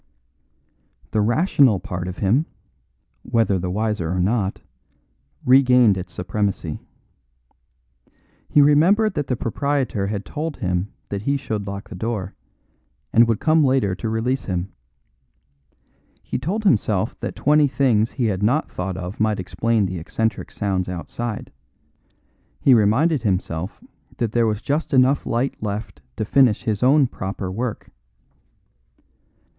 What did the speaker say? The rational part of him (whether the wiser or not) regained its supremacy. He remembered that the proprietor had told him that he should lock the door, and would come later to release him. He told himself that twenty things he had not thought of might explain the eccentric sounds outside; he reminded himself that there was just enough light left to finish his own proper work.